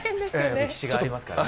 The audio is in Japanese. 歴史がありますからね。